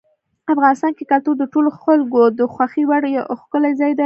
افغانستان کې کلتور د ټولو خلکو د خوښې وړ یو ښکلی ځای دی.